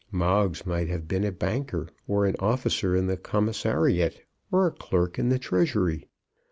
Moggs might have been a banker, or an officer in the Commissariat, or a clerk in the Treasury.